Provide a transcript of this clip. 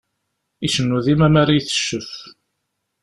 Icennu dima mara iteccef.